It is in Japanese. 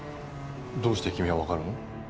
どうして君はわかるの？